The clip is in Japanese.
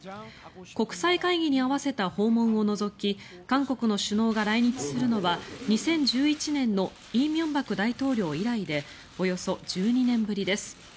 国際会議に合わせた訪問を除き韓国の首脳が来日するのは２０１１年の李明博大統領以来でおよそ１２年ぶりです。